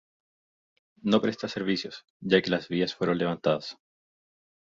No presta servicios, ya que las vías fueron levantadas.